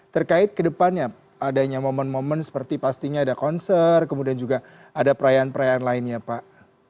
terkait kedepannya adanya momen momen seperti pastinya ada konser kemudian juga ada perayaan perayaan lainnya pak